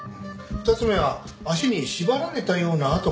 ２つ目は足に縛られたような痕が残っていた。